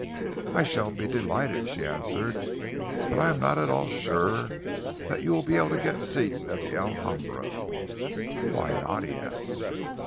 "I shall be delighted," she answered, "but I am not at all sure that you will be able to get seats at the Alhambra." "Why not?" he asked.